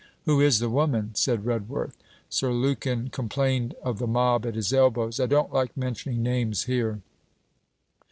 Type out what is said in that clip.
'Who is the woman?' said Redworth. Sir Lukin complained of the mob at his elbows. 'I don't like mentioning names here.'